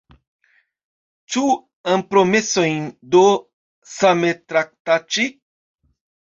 Ĉu ampromesojn do same traktaĉi?